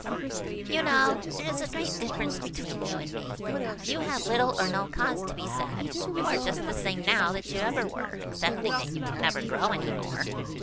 You know there is a great difference between you and me. You have little or no cause to be sad. You are just the same now that you ever were, excepting that you can never grow any more.